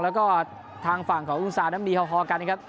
แล้วก็ทางฝั่งของอุงสาร้ำนีค่อยกันนะครับ